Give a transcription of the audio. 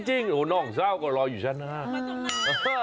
จริงน้องเศร้าก็รออยู่ฉันนะครับ